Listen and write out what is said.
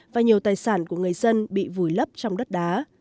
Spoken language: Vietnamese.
và nhiều tài sản của người dân bị vùi lấp trong đất đá